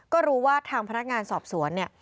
ก็รู้ว่าทางพนักงานสอบสวนเนี่ย